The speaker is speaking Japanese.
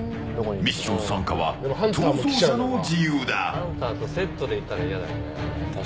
ミッション参加は逃走者の自由だ。